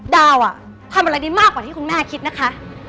ดาวทำอะไรได้มากกว่าที่คุณแม่คิดนะคะ